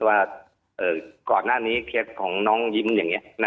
ว่าก่อนหน้านี้เคสของน้องยิ้มอย่างเนี่ยนะครับ